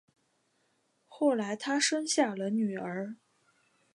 后来他生下了女儿